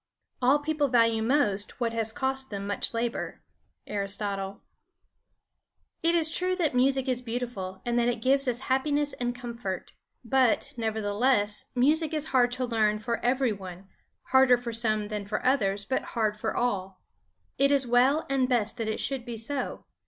"All people value most what has cost them much labor." Aristotle. It is true that music is beautiful and that it gives us happiness and comfort. But, nevertheless, music is hard to learn for every one; harder for some than for others, but hard for all. It is well and best that it should be so.